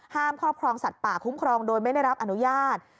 ครอบครองสัตว์ป่าคุ้มครองโดยไม่ได้รับอนุญาต